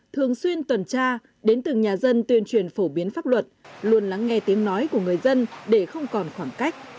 thường xuyên tuần tra đến từng nhà dân tuyên truyền phổ biến pháp luật luôn lắng nghe tiếng nói của người dân để không còn khoảng cách